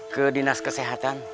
ke dinas kesehatan